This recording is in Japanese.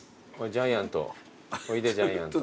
ジャイアント。